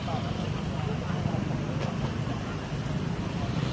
สวัสดีทุกคน